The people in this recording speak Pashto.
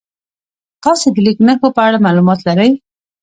تاسې د لیک نښو په اړه معلومات لرئ؟